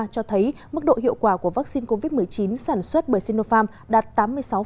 cho thấy mức độ hiệu quả của vaccine covid một mươi chín sản xuất bởi sinopharm đạt tám mươi sáu